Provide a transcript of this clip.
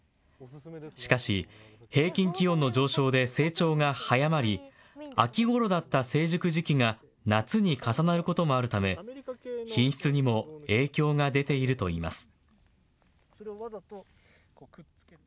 しかし、平均気温の上昇で成長が早まり秋ごろだった成熟時期が夏に重なることもあるため品質にも影響が出ているといいます。